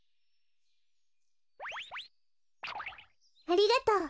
ありがとう。